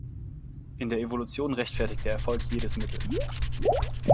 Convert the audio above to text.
In der Evolution rechtfertigt der Erfolg jedes Mittel.